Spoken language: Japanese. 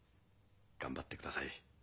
頑張ってください。